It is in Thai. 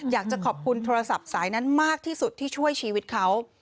อยากจะขอบคุณโทรศัพท์สายนั้นมากที่สุดที่ช่วยชีวิตเขา